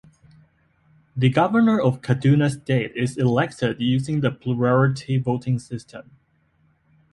The Governor of Kaduna State is elected using the plurality voting system.